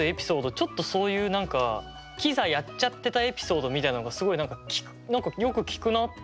ちょっとそういう何かキザやっちゃってたエピソードみたいなのがすごいよく聞くなって。